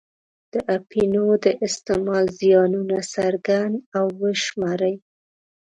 د اپینو د استعمال زیانونه څرګند او وشماري.